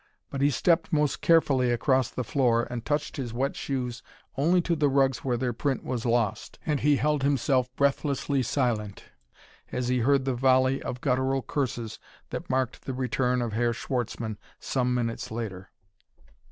But he stepped most carefully across the floor and touched his wet shoes only to the rugs where their print was lost. And he held himself breathlessly silent as he heard the volley of gutteral curses that marked the return of Herr Schwartzmann some minutes later.